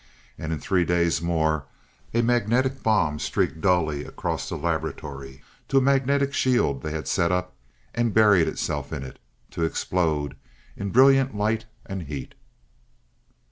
And in three days more, a magnetic bomb streaked dully across the laboratory to a magnetic shield they had set up, and buried itself in it, to explode in brilliant light and heat.